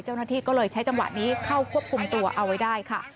เจ้าหน้าที่ก็เลยใช้จังหวะนี้เข้าควบคุมตัวเอาไว้ได้ค่ะ